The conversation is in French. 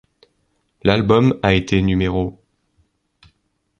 L'album a été No.